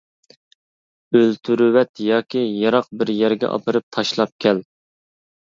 ئۆلتۈرۈۋەت ياكى يىراق بىر يەرگە ئاپىرىپ تاشلاپ كەل!